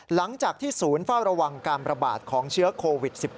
หลังจากที่ศูนย์เฝ้าระวังการประบาดของเชื้อโควิด๑๙